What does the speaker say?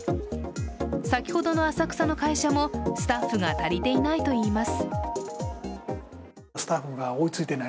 先ほどの浅草の会社もスタッフが足りていないといいます。